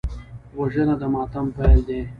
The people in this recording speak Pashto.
وژنه د ماتم پیل دی